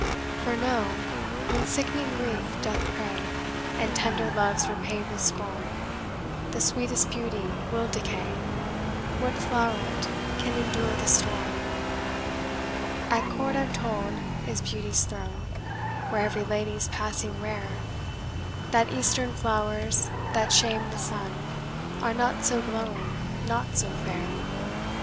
"For know, when sick'ning grief doth prey, And tender love's repaid with scorn, The sweetest beauty will decay, What floweret can endure the storm? "At court, I'm told, is beauty's throne, Where every lady's passing rare, That Eastern flowers, that shame the sun, Are not so glowing, not so fair.